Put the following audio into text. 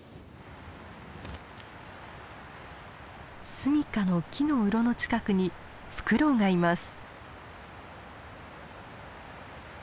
住みかの木のうろの近くにフクロウがいます。